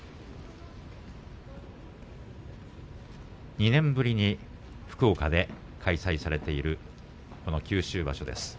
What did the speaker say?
２年ぶりに福岡で開催されている九州場所です。